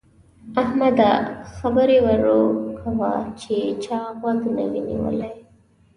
احمده! خبرې ورو کوه چې چا غوږ نه وي نيولی.